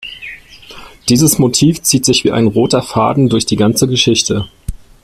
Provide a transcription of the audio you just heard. Dieses Motiv zieht sich wie ein roter Faden durch die ganze Geschichte.